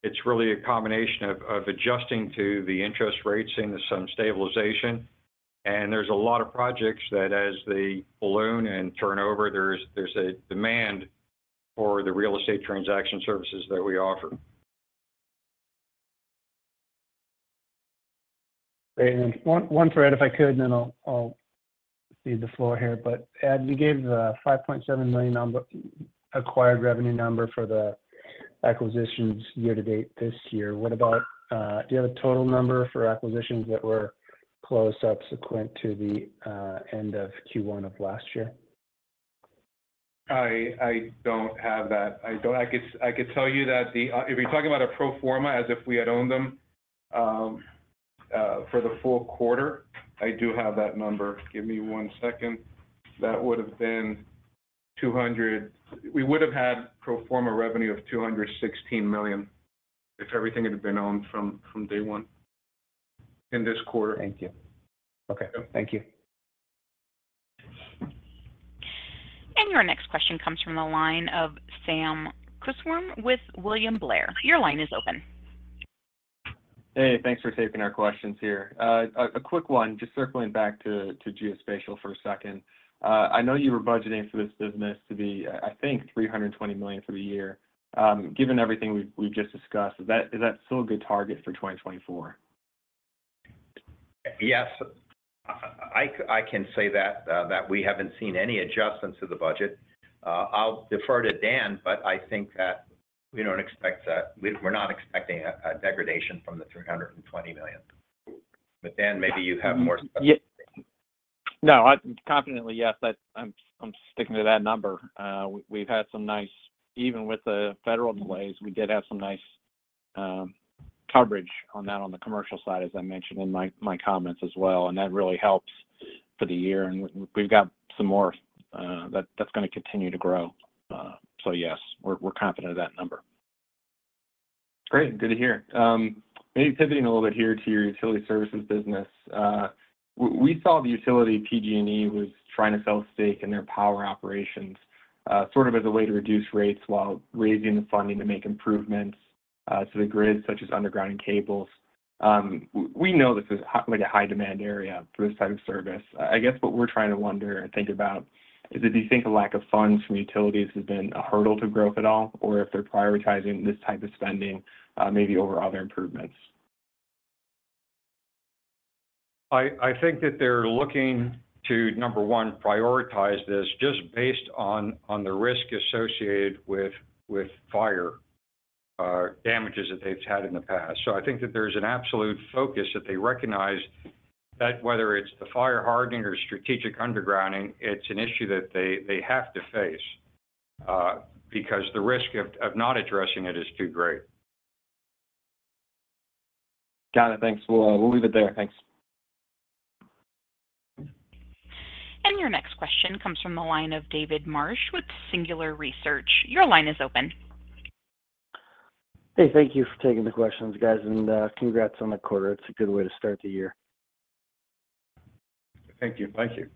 it's really a combination of adjusting to the interest rates, seeing some stabilization, and there's a lot of projects that, as they balloon and turnover, there's a demand for the real estate transaction services that we offer. Great. And one thread, if I could, and then I'll cede the floor here. But Ed, you gave the $5.7 million acquired revenue number for the acquisitions year to date this year. Do you have a total number for acquisitions that were closed subsequent to the end of Q1 of last year? I don't have that. I could tell you that if you're talking about a pro forma as if we had owned them for the full quarter, I do have that number. Give me one second. That would have been 200. We would have had pro forma revenue of $216 million if everything had been owned from day one in this quarter. Thank you. Okay. Thank you. Your next question comes from the line of Sam Kusswurm with William Blair. Your line is open. Hey. Thanks for taking our questions here. A quick one, just circling back to geospatial for a second. I know you were budgeting for this business to be, I think, $320 million for the year. Given everything we've just discussed, is that still a good target for 2024? Yes. I can say that we haven't seen any adjustments to the budget. I'll defer to Dan, but I think that we don't expect that. We're not expecting a degradation from the $320 million. But Dan, maybe you have more specifics. No. Confidently, yes. I'm sticking to that number. We've had some nice even with the federal delays, we did have some nice coverage on that on the commercial side, as I mentioned in my comments as well, and that really helps for the year. And we've got some more that's going to continue to grow. So yes, we're confident of that number. Great. Good to hear. Maybe pivoting a little bit here to your utility services business. We saw the utility PG&E was trying to sell stake in their power operations sort of as a way to reduce rates while raising the funding to make improvements to the grid, such as underground and cables. We know this is a high-demand area for this type of service. I guess what we're trying to wonder and think about is, do you think a lack of funds from utilities has been a hurdle to growth at all, or if they're prioritizing this type of spending maybe over other improvements? I think that they're looking to, number one, prioritize this just based on the risk associated with fire damages that they've had in the past. So I think that there's an absolute focus that they recognize that whether it's the fire hardening or strategic undergrounding, it's an issue that they have to face because the risk of not addressing it is too great. Got it. Thanks. We'll leave it there. Thanks. Your next question comes from the line of David Marsh with Singular Research. Your line is open. Hey. Thank you for taking the questions, guys, and congrats on the quarter. It's a good way to start the year. Thank you. Thank you.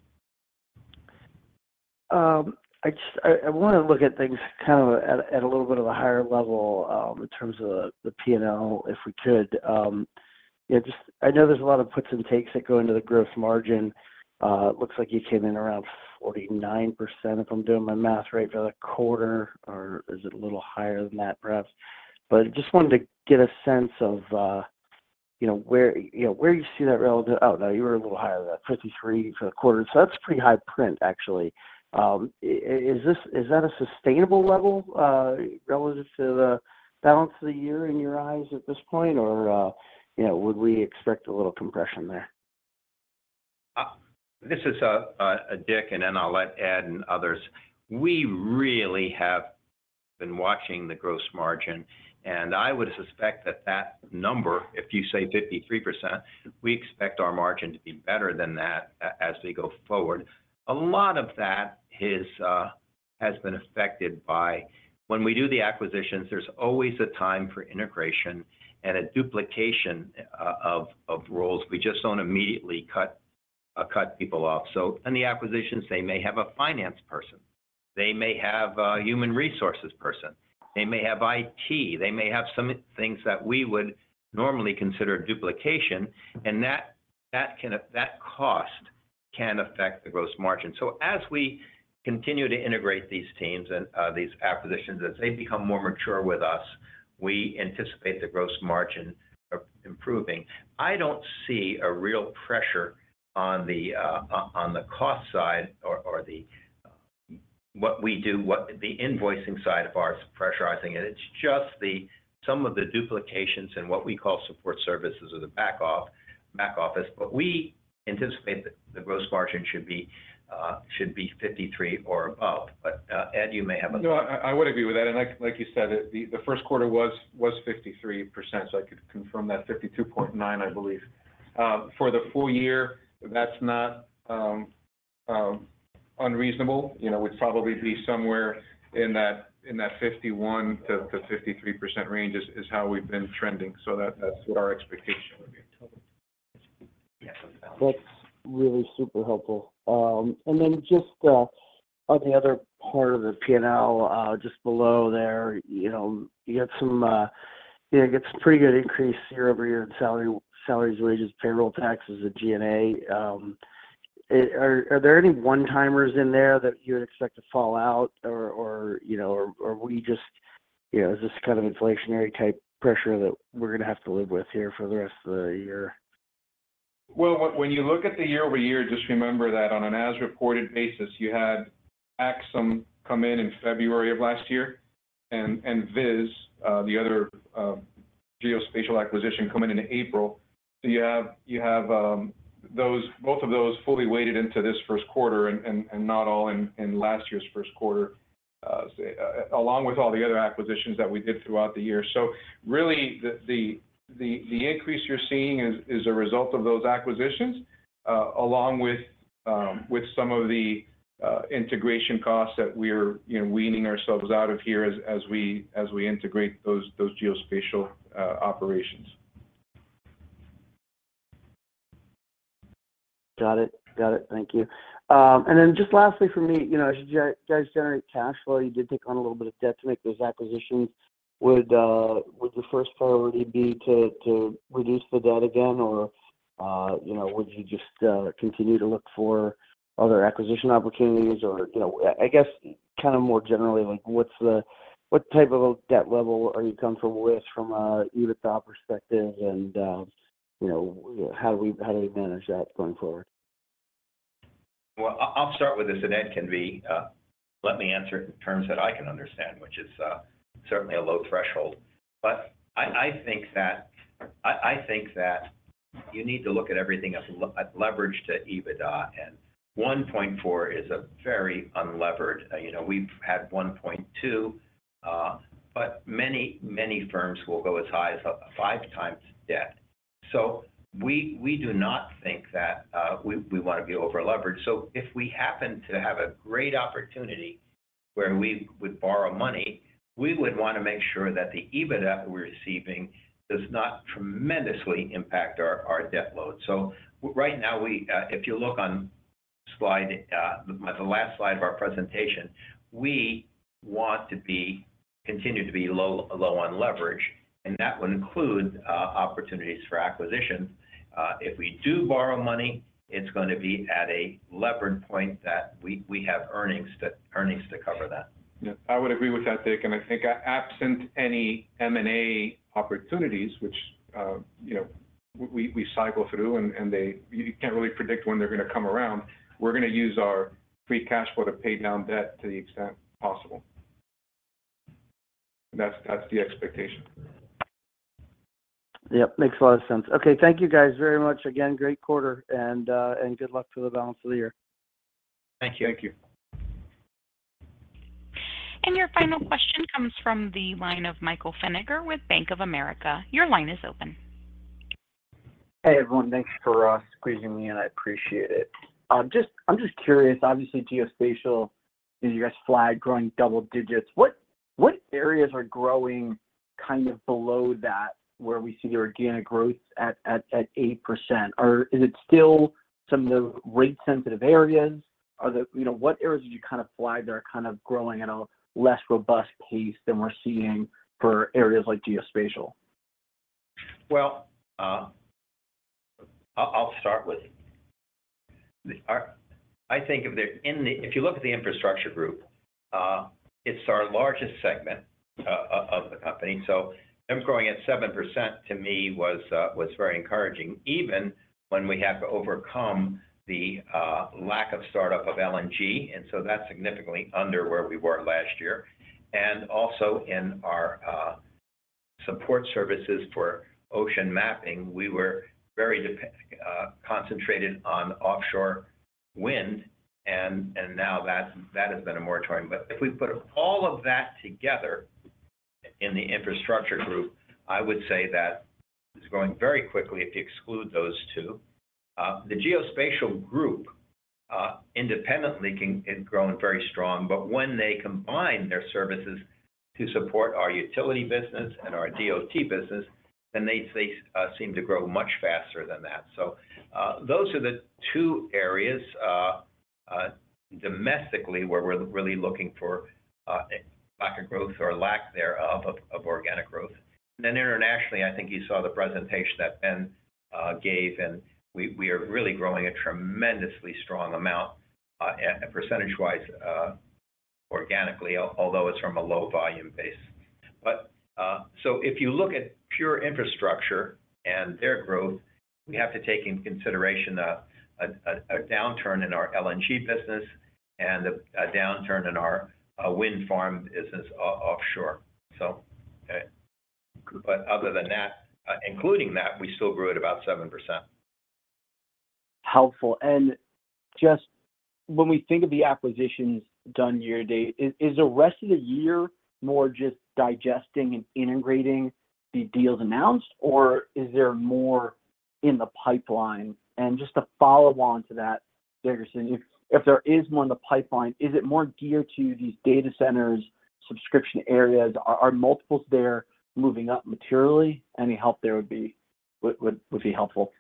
I want to look at things kind of at a little bit of a higher level in terms of the P&L, if we could. I know there's a lot of puts and takes that go into the gross margin. Looks like you came in around 49%, if I'm doing my math right, for the quarter, or is it a little higher than that, perhaps? But just wanted to get a sense of where you see that relative oh, no. You were a little higher than that, 53% for the quarter. So that's pretty high print, actually. Is that a sustainable level relative to the balance of the year in your eyes at this point, or would we expect a little compression there? This is Dick, and then I'll let Ed and others. We really have been watching the gross margin, and I would suspect that that number, if you say 53%, we expect our margin to be better than that as we go forward. A lot of that has been affected by when we do the acquisitions. There's always a time for integration and a duplication of roles. We just don't immediately cut people off. So in the acquisitions, they may have a finance person. They may have a human resources person. They may have IT. They may have some things that we would normally consider duplication, and that cost can affect the gross margin. So as we continue to integrate these teams and these acquisitions, as they become more mature with us, we anticipate the gross margin improving. I don't see a real pressure on the cost side or what we do, the invoicing side of ours pressurizing it. It's just some of the duplications and what we call support services or the back office, but we anticipate that the gross margin should be 53% or above. But Ed, you may have a. No, I would agree with that. And like you said, the first quarter was 53%, so I could confirm that, 52.9, I believe. For the full year, that's not unreasonable. We'd probably be somewhere in that 51%-53% range is how we've been trending. So that's what our expectation would be. That's really super helpful. And then just on the other part of the P&L, just below there, you get some pretty good increase year-over-year in salaries, wages, payroll taxes, the G&A. Are there any one-timers in there that you would expect to fall out, or is this kind of inflationary-type pressure that we're going to have to live with here for the rest of the year? Well, when you look at the year-over-year, just remember that on an as-reported basis, you had Axim come in in February of last year and VIS, the other geospatial acquisition, come in in April. So you have both of those fully weighted into this first quarter and not all in last year's first quarter, along with all the other acquisitions that we did throughout the year. So really, the increase you're seeing is a result of those acquisitions along with some of the integration costs that we're weaning ourselves out of here as we integrate those geospatial operations. Got it. Got it. Thank you. And then just lastly for me, as you guys generate cash flow, you did take on a little bit of debt to make those acquisitions. Would your first priority be to reduce the debt again, or would you just continue to look for other acquisition opportunities? Or I guess kind of more generally, what type of debt level are you comfortable with from an EBITDA perspective, and how do we manage that going forward? Well, I'll start with this, and Ed can be. Let me answer it in terms that I can understand, which is certainly a low threshold. But I think that you need to look at everything as leveraged to EBITDA, and 1.4 is a very unlevered. We've had 1.2, but many, many firms will go as high as a 5x debt. So we do not think that we want to be overleveraged. So if we happen to have a great opportunity where we would borrow money, we would want to make sure that the EBITDA that we're receiving does not tremendously impact our debt load. So right now, if you look on the last slide of our presentation, we want to continue to be low on leverage, and that would include opportunities for acquisitions. If we do borrow money, it's going to be at a levered point that we have earnings to cover that. Yeah. I would agree with that, Dick. And I think absent any M&A opportunities, which we cycle through and you can't really predict when they're going to come around, we're going to use our free cash flow to pay down debt to the extent possible. That's the expectation. Yep. Makes a lot of sense. Okay. Thank you guys very much. Again, great quarter, and good luck for the balance of the year. Thank you. Thank you. Your final question comes from the line of Michael Feniger with Bank of America. Your line is open. Hey, everyone. Thanks for squeezing me, and I appreciate it. I'm just curious. Obviously, geospatial, you guys flagged growing double digits. What areas are growing kind of below that where we see the organic growth at 8%? Is it still some of the rate-sensitive areas? What areas would you kind of flag that are kind of growing at a less robust pace than we're seeing for areas like geospatial? Well, I'll start with I think if you look at the infrastructure group, it's our largest segment of the company. So them growing at 7% to me was very encouraging, even when we have to overcome the lack of startup of LNG. And so that's significantly under where we were last year. And also in our support services for ocean mapping, we were very concentrated on offshore wind, and now that has been a moratorium. But if we put all of that together in the infrastructure group, I would say that it's growing very quickly if you exclude those two. The geospatial group independently has grown very strong, but when they combine their services to support our utility business and our DOT business, then they seem to grow much faster than that. So those are the two areas domestically where we're really looking for lack of growth or lack thereof of organic growth. And then internationally, I think you saw the presentation that Ben gave, and we are really growing a tremendously strong amount percentage-wise organically, although it's from a low-volume base. So if you look at pure infrastructure and their growth, we have to take into consideration a downturn in our LNG business and a downturn in our wind farm business offshore. But other than that, including that, we still grew at about 7%. Helpful. And just when we think of the acquisitions done year to date, is the rest of the year more just digesting and integrating the deals announced, or is there more in the pipeline? And just to follow on to that, Dickerson, if there is more in the pipeline, is it more geared to these data centers, subscription areas? Are multiples there moving up materially? Any help there would be helpful.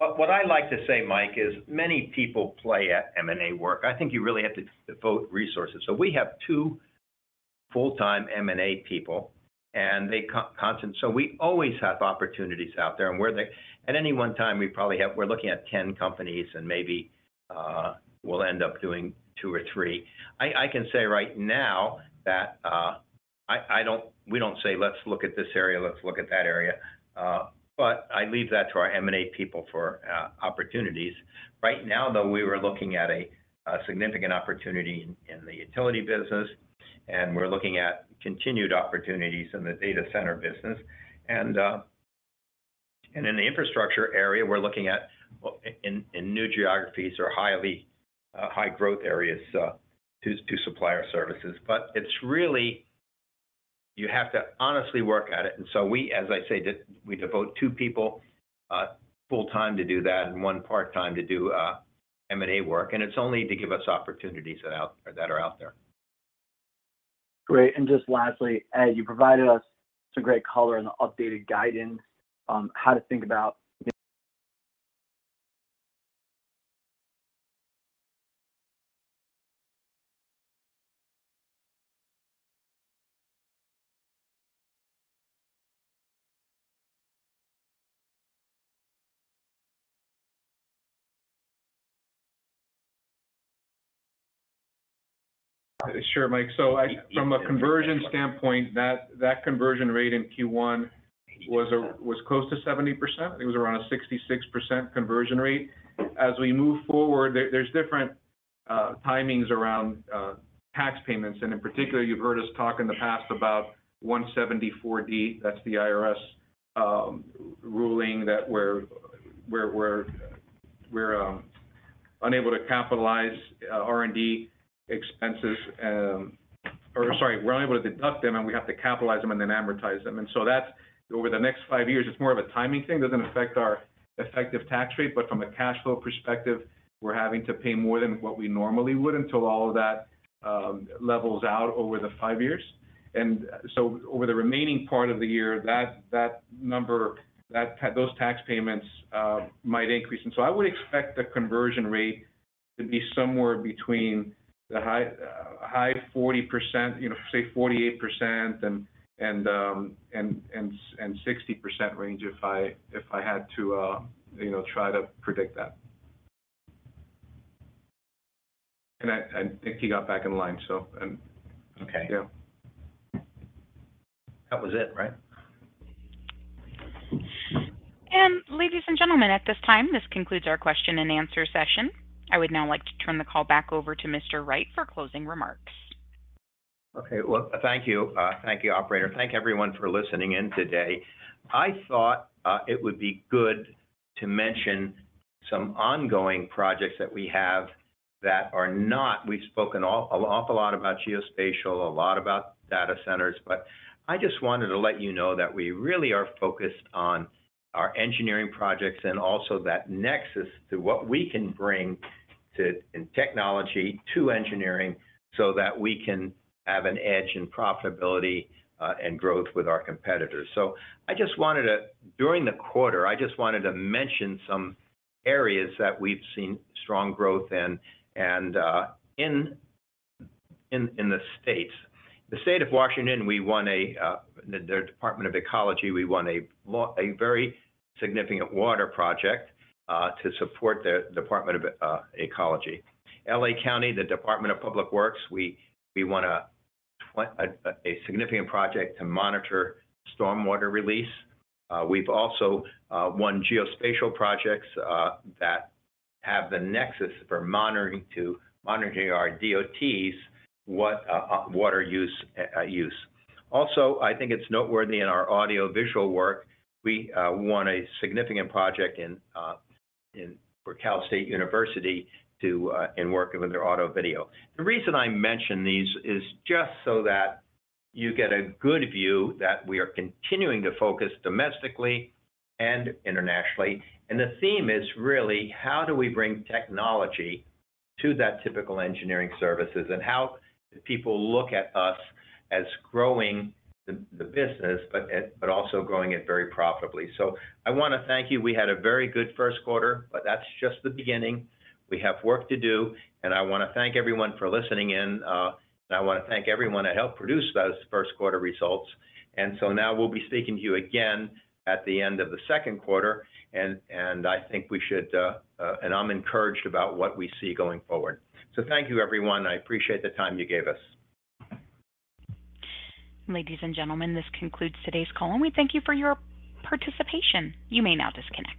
What I like to say, Mike, is many people play at M&A work. I think you really have to devote resources. So we have two full-time M&A people, and so we always have opportunities out there. And at any one time, we're looking at 10 companies, and maybe we'll end up doing two or three. I can say right now that we don't say, "Let's look at this area. Let's look at that area," but I leave that to our M&A people for opportunities. Right now, though, we were looking at a significant opportunity in the utility business, and we're looking at continued opportunities in the data center business. And in the infrastructure area, we're looking at in new geographies or high-growth areas to supply our services. But you have to honestly work at it. And so we, as I say, devote two people full-time to do that and one part-time to do M&A work, and it's only to give us opportunities that are out there. Great. And just lastly, Ed, you provided us some great color and updated guidance on how to think about. Sure, Mike. So from a conversion standpoint, that conversion rate in Q1 was close to 70%. I think it was around a 66% conversion rate. As we move forward, there's different timings around tax payments. And in particular, you've heard us talk in the past about Section 174. That's the IRS ruling that we're unable to capitalize R&D expenses or sorry, we're unable to deduct them, and we have to capitalize them and then amortize them. And so over the next five years, it's more of a timing thing. It doesn't affect our effective tax rate, but from a cash flow perspective, we're having to pay more than what we normally would until all of that levels out over the five years. And so over the remaining part of the year, those tax payments might increase. So I would expect the conversion rate to be somewhere between the high 40%, say 48%, and 60% range if I had to try to predict that. I think he got back in line, so. Yeah. Okay. That was it, right? Ladies and gentlemen, at this time, this concludes our question-and-answer session. I would now like to turn the call back over to Mr. Wright for closing remarks. Okay. Well, thank you. Thank you, operator. Thank everyone for listening in today. I thought it would be good to mention some ongoing projects that we have that are not. We've spoken an awful lot about geospatial, a lot about data centers, but I just wanted to let you know that we really are focused on our engineering projects and also that nexus to what we can bring in technology to engineering so that we can have an edge in profitability and growth with our competitors. So, during the quarter, I just wanted to mention some areas that we've seen strong growth in the States. In the State of Washington, we won the Department of Ecology, a very significant water project to support the Department of Ecology. L.A. County, the Department of Public Works, we won a significant project to monitor stormwater release. We've also won geospatial projects that have the nexus for monitoring our DOTs' water use. Also, I think it's noteworthy in our audio-visual work; we won a significant project for Cal State University in work with their audio-video. The reason I mention these is just so that you get a good view that we are continuing to focus domestically and internationally. And the theme is really, how do we bring technology to that typical engineering services and how do people look at us as growing the business but also growing it very profitably? So I want to thank you. We had a very good first quarter, but that's just the beginning. We have work to do. And I want to thank everyone for listening in, and I want to thank everyone that helped produce those first-quarter results. And so now we'll be speaking to you again at the end of the second quarter, and I think we should, and I'm encouraged about what we see going forward. So thank you, everyone. I appreciate the time you gave us. Ladies and gentlemen, this concludes today's call, and we thank you for your participation. You may now disconnect.